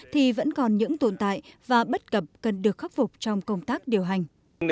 thì vẫn còn những tồn tại và bất cập cần được khắc phục trong công tác điều hành